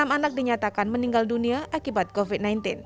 enam anak dinyatakan meninggal dunia akibat covid sembilan belas